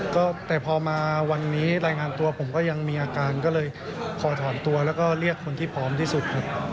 ก็แต่พอมาวันนี้รายงานตัวผมก็ยังมีอาการก็เลยขอถอนตัวแล้วก็เรียกคนที่พร้อมที่สุดครับ